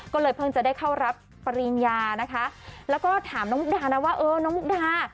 ก็เลยเพิ่งจะได้เข้ารับปริญญานะคะแล้วก็ถามน้องมุกดานะว่าเออน้องมุกดา